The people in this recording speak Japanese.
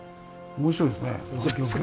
面白いですか。